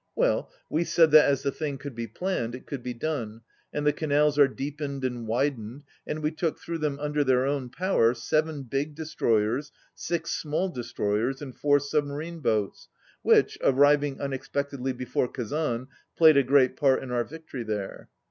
Well, we said that as the thing could be planned, it could be done, and the canals are deepened and widened, and we took through them, under their own power, seven big destroyers, six small destroyers and four submarine boats, which, arriving unexpectedly before Kazan, played a great part in our victory there.